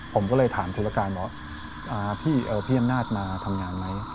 ผมก็เลยถามธุรการว่าพี่อำนาจมาทำงานไหม